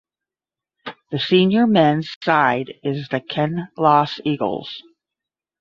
The senior mens side is the Kinloss Eagles.